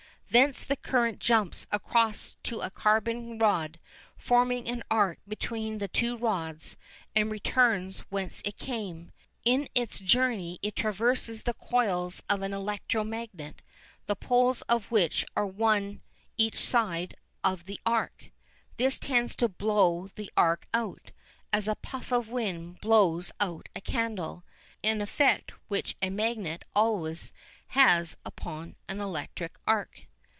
Thence the current jumps across to a carbon rod, forming an arc between the two rods, and returns whence it came. In its journey it traverses the coils of an electro magnet, the poles of which are one each side of the arc. This tends to blow the arc out, as a puff of wind blows out a candle, an effect which a magnet always has upon an electric arc.